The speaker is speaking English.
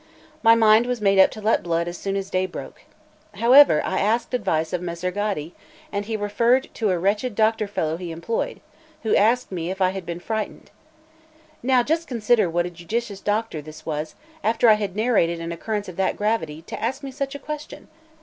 My mind was made up to let blood as soon as day broke. However, I asked advice of Messer Gaddi, and he referred to a wretched doctor fellow he employed, who asked me if I had been frightened. Now, just consider what a judicious doctor this was, after I had narrated an occurrence of that gravity, to ask me such a question!